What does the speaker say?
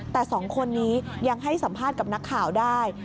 แต่สองคนนี้ยังให้สัมภาษณ์กับนักข่าวได้